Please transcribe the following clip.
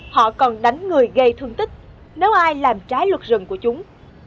họ còn đánh người gây thương tích nếu ai làm trái luật rừng của chúng